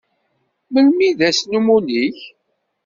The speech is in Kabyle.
Melmi i d ass n umuli-k?